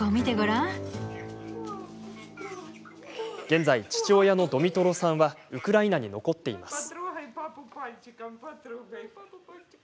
現在、父親のドミトロさんはウクライナに残っています。